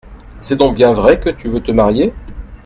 C’est donc bien vrai que tu veux te marier ?